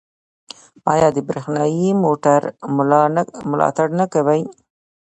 آیا د بریښنايي موټرو ملاتړ نه کوي؟